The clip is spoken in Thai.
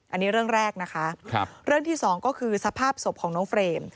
อันนี้เรื่องแรกนะคะเรื่องที่สองก็คือสภาพศพของน้องเฟรม